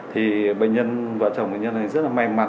thì bệnh nhân vợ chồng bệnh nhân này rất là may mắn